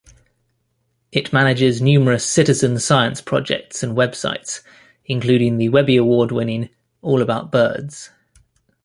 It manages numerous citizen-science projects and websites, including the Webby Award-winning "All About Birds".